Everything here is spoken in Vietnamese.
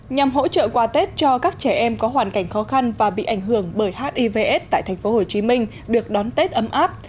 nhằm hỗ trợ quà tết cho các trẻ em có hoàn cảnh khó khăn và bị ảnh hưởng bởi hivs tại tp hcm được đón tết ấm áp